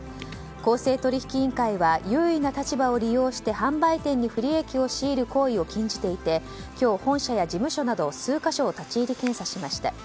公正取引委員会は優位な立場を利用して販売店に不利益を強いる行為を禁じていて今日、本社や事務所など数か所を立ち入り検査しました。